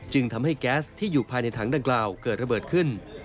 จึงทำให้แก๊สที่อยู่ภายในถังดังกล่าวเกิดระเบิดขึ้น